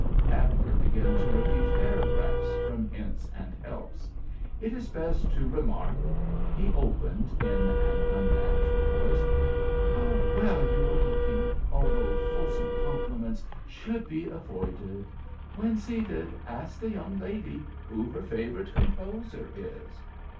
Abner began to repeat paragraphs from Hints and Helps. "''It is best to remark,'" he opened, in an unnatural voice, "''How well you are looking!' although fulsome compliments should be avoided. When seated ask the young lady who her favorite composer is.